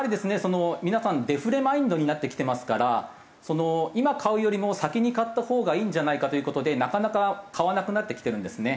皆さんデフレマインドになってきてますから今買うよりも先に買ったほうがいいんじゃないかという事でなかなか買わなくなってきてるんですね。